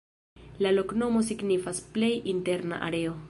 La loknomo signifas: "plej interna areo".